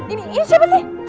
ini siapa sih